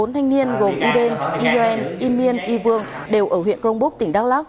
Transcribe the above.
bốn thanh niên gồm yên yên yên y vương đều ở huyện grongbuk tỉnh đắk lắk